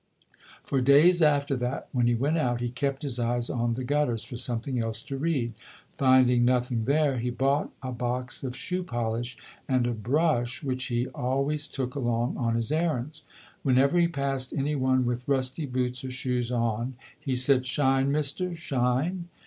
For days after that, when he went out, he kept his eyes on the gutters for something else to read. Finding nothing there, he bought a box of shoe FREDERICK DOUGLASS [ 25 polish and a brush which he always took along on his errands. Whenever he passed any one with rusty boots or shoes on he said, "Shine, Mister, shine?"